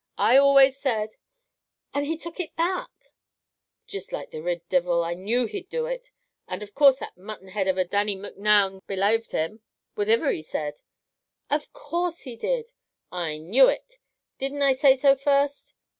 I always said " "And he took it back " "Just like the rid divil! I knew he'd do it! And of course that mutton head of a Dannie Micnoun belaved him, whativer he said." "Of course he did!" "I knew it! Didn't I say so first?"